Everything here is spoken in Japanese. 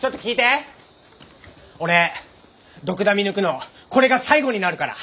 俺ドクダミ抜くのこれが最後になるから。